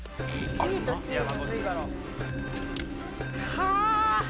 はあ！